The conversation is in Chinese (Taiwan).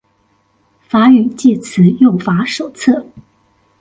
法語介詞用法手冊